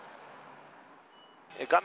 画面